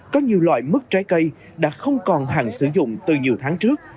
có nhiều loại mứt trái cây đã không còn hàng sử dụng từ nhiều tháng trước